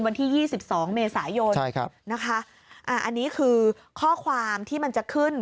วันที่๒๒เมษายนใช่ครับนะคะอ่าอันนี้คือข้อความที่มันจะขึ้น